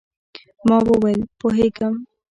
ما وویل، پوهېږم.